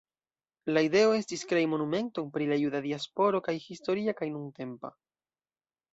La ideo estis krei monumenton pri la juda diasporo kaj historia kaj nuntempa.